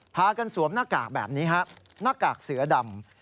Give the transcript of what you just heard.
พากันสวมหน้ากากแบบนี้ฮะหน้ากากเสือดำ